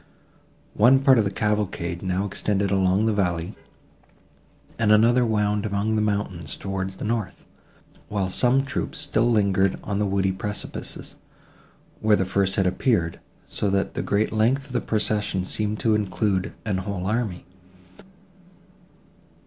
One part of the cavalcade now extended along the valley, and another wound among the mountains towards the north, while some troops still lingered on the woody precipices, where the first had appeared, so that the great length of the procession seemed to include a whole army.